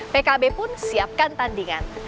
pkb pun siapkan tandingan